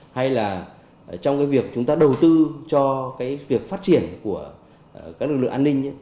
hay là trong cái việc chúng ta đầu tư cho cái việc phát triển của các lực lượng an ninh